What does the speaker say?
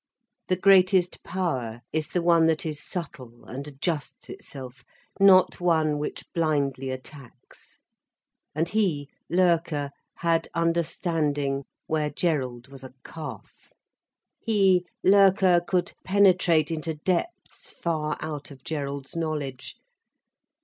The greatest power is the one that is subtle and adjusts itself, not one which blindly attacks. And he, Loerke, had understanding where Gerald was a calf. He, Loerke, could penetrate into depths far out of Gerald's knowledge.